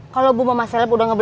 kalo bumama seleb udah ngebetul